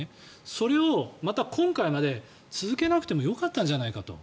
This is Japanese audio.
それをまた今回まで続けなくてもよかったんじゃないかと。